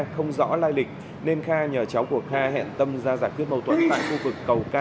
không rõ lai lịch nên kha nhờ cháu của kha hẹn tâm ra giải quyết mâu thuẫn tại khu vực cầu k một mươi ba